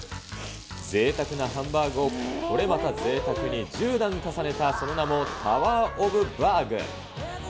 ぜいたくなハンバーグを、これまたぜいたくに１０段重ねたその名もタワー・オブ・バーグ。